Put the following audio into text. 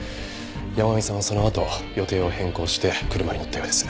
山神さんはそのあと予定を変更して車に乗ったようです。